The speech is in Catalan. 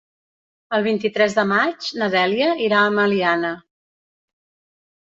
El vint-i-tres de maig na Dèlia irà a Meliana.